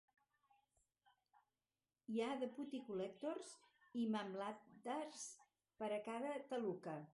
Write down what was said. Hi ha "deputy collectors" i "mamlatdars" per a cada "taluka".